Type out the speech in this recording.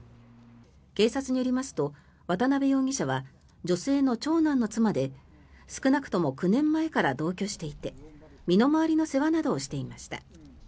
警察によりますと、渡邉容疑者は女性の長男の妻で少なくとも９年前から同居していて身の回りの世話などをしていました。